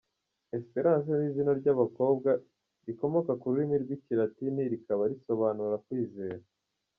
Esperance ni izina ry’abakobwa rikomoka ku rurimi rw’ikilatini rikaba risobanura “kwizera”.